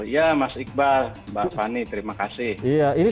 ya mas iqbal mbak fani terima kasih